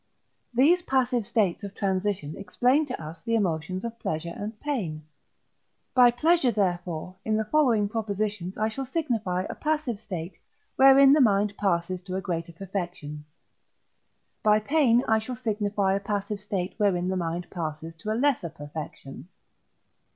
These passive states of transition explain to us the emotions of pleasure and pain. By pleasure therefore in the following propositions I shall signify a passive state wherein the mind passes to a greater perfection. By pain I shall signify a passive state wherein the mind passes to a lesser perfection.